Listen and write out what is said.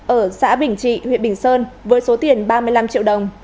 ở xã bình trị huyện bình sơn với số tiền ba mươi năm triệu đồng